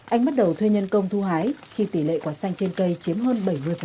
anh bắt đầu thuê nhân công thu hái khi tỷ lệ quả xanh trên cây chiếm hơn bảy mươi